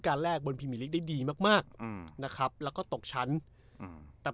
การแรกบนได้ดีมากมากอืมนะครับแล้วก็ตกชั้นอืมแต่